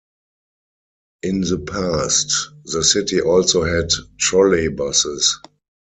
In the past the city also had trolleybuses.